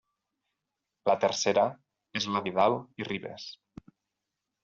La tercera és la Vidal i Ribes.